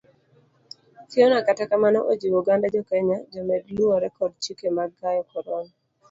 Fiona kata kamano ojiwo oganda jokenya jomed luwore kod chike mag gayo corona.